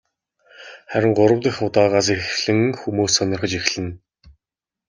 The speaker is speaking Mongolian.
Харин гурав дахь удаагаас эхлэн хүмүүс сонирхож эхэлнэ.